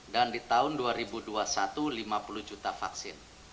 dan di tahun dua ribu dua puluh satu lima puluh juta vaksin